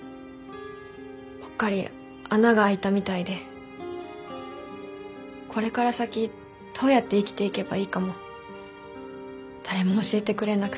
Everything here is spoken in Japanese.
ぽっかり穴が開いたみたいでこれから先どうやって生きていけばいいかも誰も教えてくれなくて。